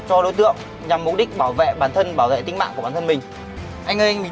cho đối tượng nhằm mục đích bảo vệ bản thân bảo vệ tính mạng của bản thân mình anh ơi anh bình